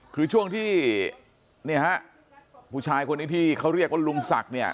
คือช่วงที่เนี่ยฮะผู้ชายคนนี้ที่เขาเรียกว่าลุงศักดิ์เนี่ย